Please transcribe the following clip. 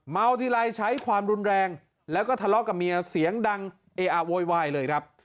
ทีไรใช้ความรุนแรงแล้วก็ทะเลาะกับเมียเสียงดังเออะโวยวายเลยครับ